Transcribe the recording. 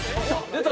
出た！